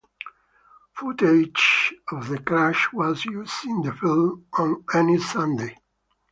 Footage of the crash was used in the film "On any Sunday".